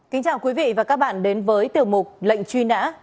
kính chào quý vị và các bạn đến với tiểu mục lệnh truy nã